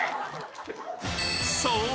［そう！